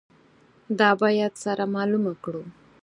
دا باید سره معلومه کړو.